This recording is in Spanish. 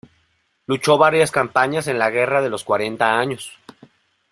Luchó varias campañas en la Guerra de los Cuarenta Años.